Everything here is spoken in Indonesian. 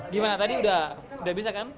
gimana tadi udah bisa kan